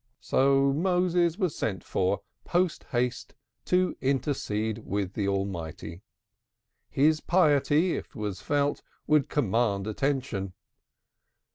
So Moses was sent for, post haste, to intercede with the Almighty. His piety, it was felt, would command attention.